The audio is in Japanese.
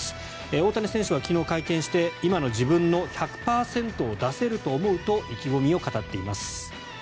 大谷選手は昨日会見して今の自分の１００％を出せると思うと意気込みを語っています。